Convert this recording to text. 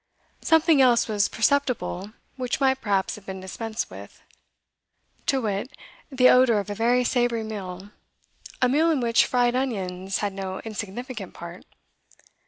Something else was perceptible which might perhaps have been dispensed with; to wit, the odour of a very savoury meal, a meal in which fried onions had no insignificant part.